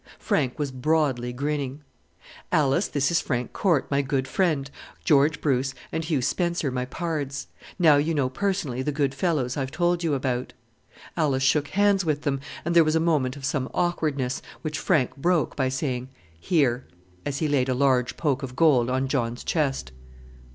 Frank was broadly grinning. "Alice, this is Frank Corte, my good friend, George Bruce and Hugh Spencer, my pards; now you know personally the good fellows I've told you about." Alice shook hands with them, and there was a moment of some awkwardness, which Frank broke by saying, "Here," as he laid a large poke of gold on John's chest.